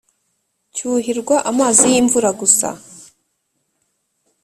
, cyuhirwa amazi y’imvura gusa: